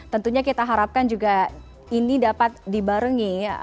tentunya kita harapkan juga ini dapat dibarengi